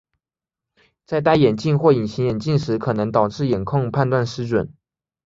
在戴眼镜或隐形眼镜时可能导致眼控判断失准。